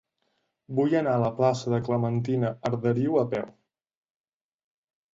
Vull anar a la plaça de Clementina Arderiu a peu.